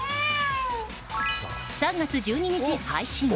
３月１２日配信。